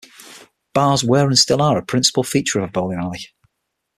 Bars were and still are a principal feature of a bowling alley.